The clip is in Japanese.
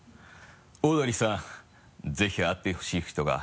「オードリーさん、ぜひ会ってほすい人が」